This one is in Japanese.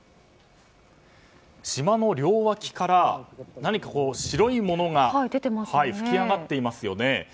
島の両脇から白いものが噴き上がっていますね。